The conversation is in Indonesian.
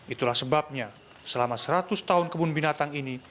itulah sebabnya selama seratus tahun kebun binatang ini